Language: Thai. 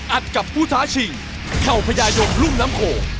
อัดกับผู้ท้าชิงเข่าพญายมรุ่มน้ำโขง